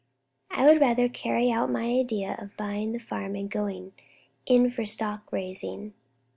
I would rather carry out my idea of buying a farm and going in for stock raising."